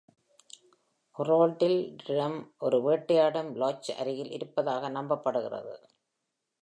Harold டிடம் ஒரு வேட்டையாடும் lodge அருகில் இருப்பதாக நம்பப்படுகிறது.